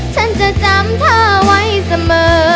ฉันจะจำเธอไว้เสมอ